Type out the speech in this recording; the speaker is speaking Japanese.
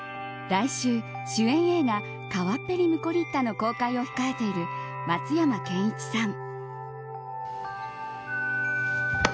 来週、主演映画「川っぺりムコリッタ」の公開を控えている松山ケンイチさん。